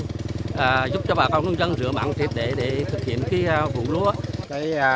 thì tục cho bà con nông dân giúp cho bà con nông dân rửa mặn tiệp để thực hiện cái vụ lúa